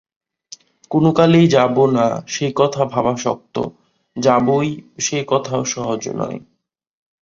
কোনো কালেই যাব না সে কথা ভাবা শক্ত, যাবই সে কথাও সহজ নয়।